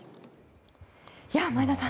前田さん